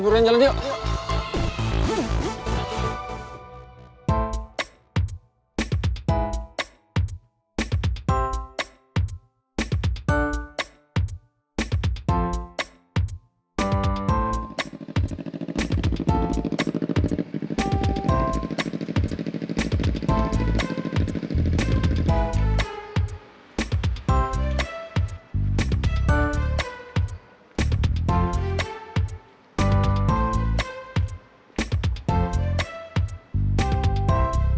buruan jalan yuk